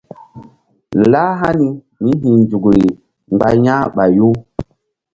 Lah hani míhi̧nzukri mgba yah ɓayu.